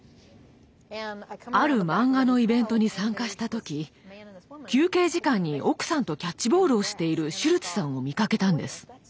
あるマンガのイベントに参加した時休憩時間に奥さんとキャッチボールをしているシュルツさんを見かけたんです。